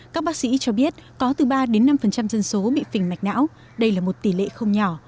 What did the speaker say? các bác sĩ cho biết có từ ba đến năm dân số bị phình mạch não đây là một tỷ lệ không nhỏ